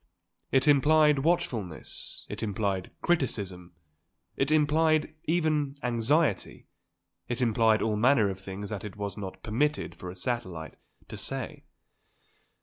It implied watchfulness; it implied criticism; it implied, even, anxiety; it implied all manner of things that it was not permitted for a satellite to say.